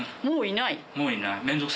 もういない。